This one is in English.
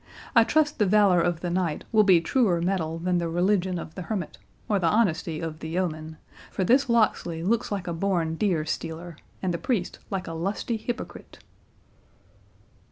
—I trust the valour of the knight will be truer metal than the religion of the hermit, or the honesty of the yeoman; for this Locksley looks like a born deer stealer, and the priest like a lusty hypocrite."